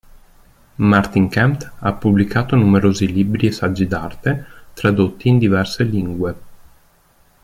Martin Kemp ha pubblicato numerosi libri e saggi d'arte, tradotti in diverse lingue.